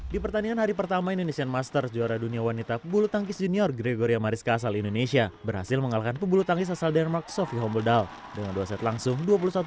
di pertandingan hari pertama indonesian masters juara dunia wanita bulu tangkis junior gregoria mariska asal indonesia berhasil mengalahkan pembulu tangkis asal denmark sophie hombledal dengan dua set langsung dua puluh satu dua belas dua puluh satu tiga belas